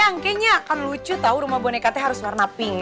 kayaknya akan lucu tau rumah bonekanya harus warna pink